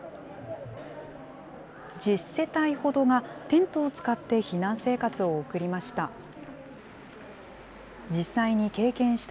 １０世帯ほどがテントを使って避難生活を送りました。